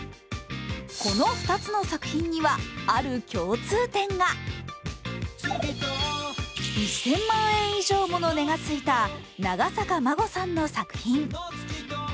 この２つの作品には、ある共通点が１０００万円以上もの値がついた長坂さんの作品。